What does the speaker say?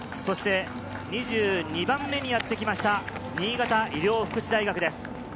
２２番目にやってきた新潟医療福祉大学です。